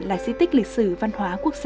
là di tích lịch sử văn hóa quốc gia